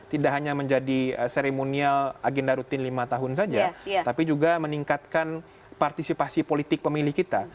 tidak hanya menjadi seremonial agenda rutin lima tahun saja tapi juga meningkatkan partisipasi politik pemilih kita